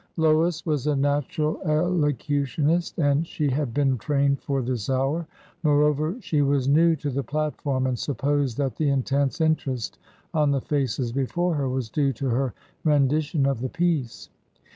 Lois was a natural elocutionist, and she had been trained for this hour. Moreover, she was new to the platform, and supposed that the intense interest on the faces before her was due to her rendition of the piece.